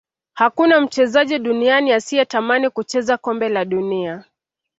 hakuna mchezaji duniani asiyetamani kucheza kombe la dunia